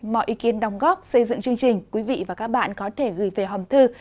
mọi ý kiến đồng góp xây dựng chương trình quý vị và các bạn có thể gửi về hòm thư